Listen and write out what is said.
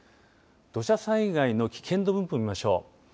土砂災害の危険度分布を見ましょう。